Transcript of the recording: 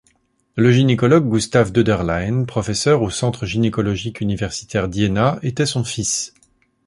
Le gynécologue Gustav Döderlein, professeur au Centre gynécologique universitaire d'Iéna, était son fils.